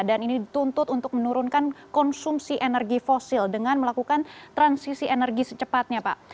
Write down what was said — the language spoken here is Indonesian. dan ini dituntut untuk menurunkan konsumsi energi fosil dengan melakukan transisi energi secepatnya pak